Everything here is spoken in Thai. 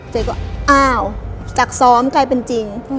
เจ๊ก็อ้าวจากซ้อมกลายเป็นจริง